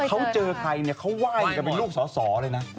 เขาเจอใครเนี่ยเขาไหว้กันเป็นลูกสอสอเลยนะ